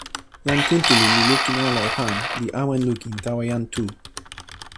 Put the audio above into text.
jan Kuntuli li lukin ala e pan, li awen lukin tawa jan Tu.